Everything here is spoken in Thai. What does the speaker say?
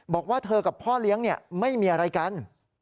บอกว่าเธอกับพ่อเลี้ยงไม่มีอะไรกัน